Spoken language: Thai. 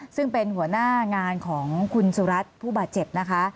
ซึ่งเป็นหัวหน้างานของคุณสุรัตน์ผู้บาดเจ็บนะคะ